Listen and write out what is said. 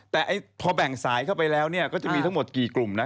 แต่พอแบ่งสายเข้าไปแล้วก็จะมีทั้งหมดกี่กลุ่มนะ